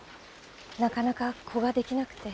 なかなか子ができなくて。